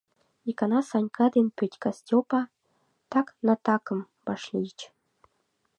Икана Санька ден Петька Стёпа Так-на-Такым вашлийыч.